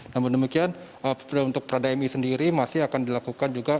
namun demikian untuk prada mi sendiri masih akan dilakukan juga